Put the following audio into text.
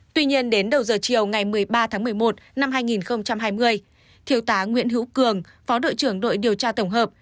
tuy nhiên đến đầu giờ chiều ngày một mươi ba tháng một mươi một năm hai nghìn hai mươi thiếu tá nguyễn hữu cường phó đội trưởng đội điều tra tổng hợp